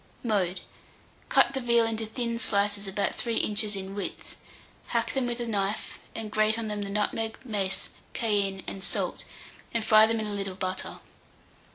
Mode. Cut the veal into thin slices about 3 inches in width; hack them with a knife, and grate on them the nutmeg, mace, cayenne, and salt, and fry them in a little butter.